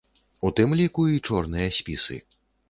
У тым ліку, і чорныя спісы.